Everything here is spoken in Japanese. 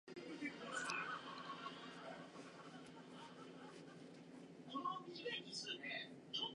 誰もが彼の行為に意味はないと考えた。無意味なことだと、自殺にすら当たるのではないかと。